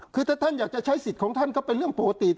คือถ้าท่านอยากจะใช้สิทธิ์ของท่านก็เป็นเรื่องปกติ